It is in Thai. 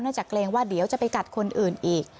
จากเกรงว่าเดี๋ยวจะไปกัดคนอื่นอีก